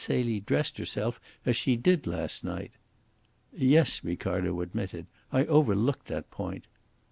Celie dressed herself as she did last night." "Yes," Ricardo admitted. "I overlooked that point."